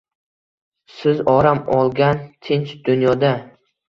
Siz orom olgan tinch dunyoda